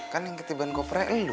kan yang ketibaan kopernya lo